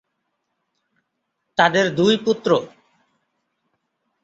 তাদের দুই পুত্র।